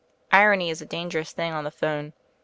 Irony is a dangerous thing on the 'phone.